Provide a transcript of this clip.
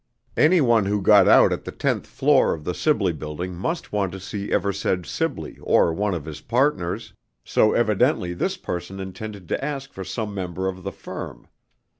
Any one who got out at the tenth floor of the Sibley building must want to see Eversedge Sibley or one of his partners, so evidently this person intended to ask for some member of the firm.